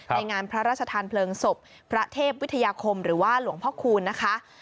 งานพระราชทานเพลิงศพพระเทพวิทยาคมหรือว่าหลวงพ่อคูณนะคะ